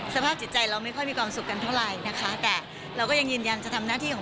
สภาพจิตใจเราไม่ค่อยมีความสุขกันเท่าไหร่นะคะแต่เราก็ยังยืนยันจะทำหน้าที่ของ